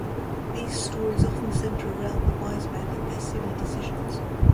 These stories often center around the "wise" men and their silly decisions.